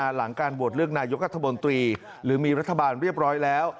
หลังการโหวตเลือกนายกัธมนตรีหรือมีรัฐบาลเรียบร้อยแล้ว